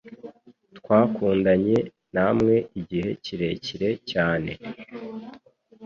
Twakundanye namwe igihe kirekire cyane .